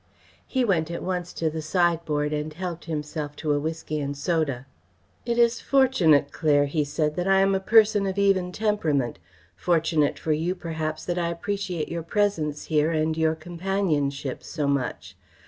He went at once to the sideboard and helped himself to a whisky and soda. "It is fortunate, Claire," he said, "that I am a person of even temperament; fortunate for you, perhaps, that I appreciate your presence here and your companionship so much.